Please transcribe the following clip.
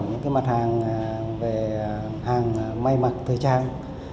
cái mặt hàng về hàng may mặc thời trang